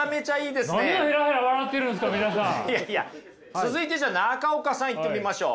続いてじゃあ中岡さんいってみましょう。